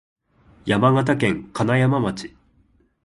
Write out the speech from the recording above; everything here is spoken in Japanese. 山形県金山町